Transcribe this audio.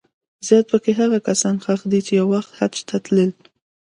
زیات په کې هغه کسان ښخ دي چې یو وخت حج ته تلل.